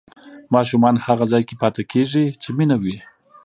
ماشومان هغه ځای کې پاتې کېږي چې مینه وي.